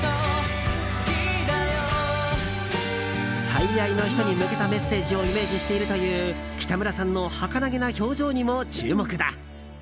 最愛の人に向けたメッセージをイメージしているという北村さんのはかなげな表情にも注目だ。